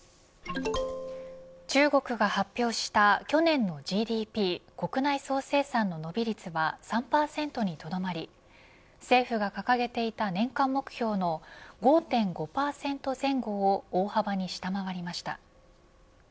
中国が発表した去年のＧＤＰ国内総生産の伸び率は３％にとどまり政府が掲げていた年間目標の５．５％前後を大幅に下回りました。